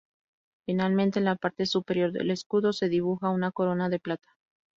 Finalmente, en la parte superior del escudo, se dibuja una corona de plata.